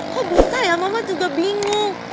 kok bisa ya mama juga bingung